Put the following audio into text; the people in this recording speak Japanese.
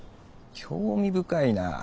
興味深いな。